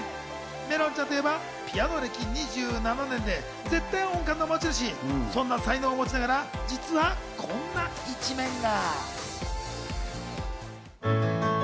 めろんちゃんといえばピアノ歴２７年で絶対音感の持ち主、そんな才能を持ちながら実はこんな一面が。